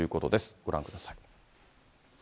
ご覧ください。